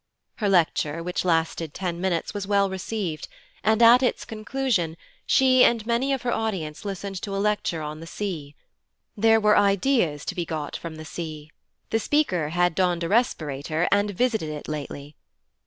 Her lecture, which lasted ten minutes, was well received, and at its conclusion she and many of her audience listened to a lecture on the sea; there were ideas to be got from the sea; the speaker had donned a respirator and visited it lately.